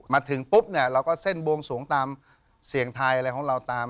มาถึงปุ๊บเนี่ยเราก็เส้นบวงสวงตามเสียงไทยอะไรของเราตาม